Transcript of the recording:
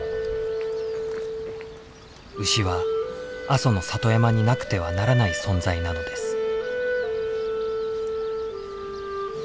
牛は阿蘇の里山になくてはならない存在なのです。